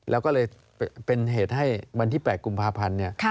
แล้วก็เลยเป็นเหตุให้วันที่๘กุมภาพันธ์